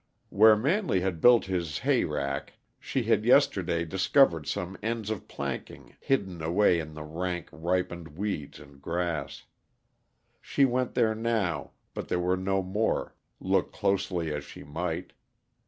Where Manley had built his hayrack she had yesterday discovered some ends of planking hidden away in the rank, ripened weeds and grass. She went there now, but there were no more, look closely as she might.